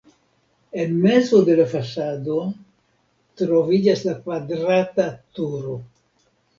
En mezo de la fasado troviĝas la kvadrata turo.